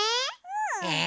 え！